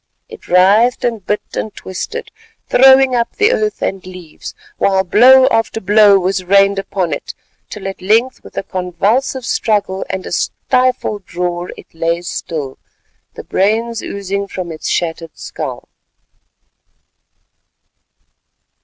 It writhed and bit and twisted, throwing up the earth and leaves, while blow after blow was rained upon it, till at length with a convulsive struggle and a stifled roar it lay still—the brains oozing from its shattered skull.